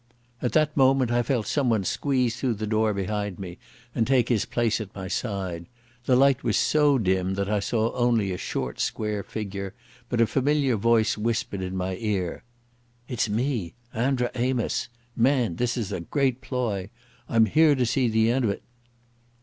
At that moment I felt someone squeeze through the door behind me and take his place at my side. The light was so dim that I saw only a short, square figure, but a familiar voice whispered in my ear. "It's me—Andra Amos. Man, this is a great ploy. I'm here to see the end o't."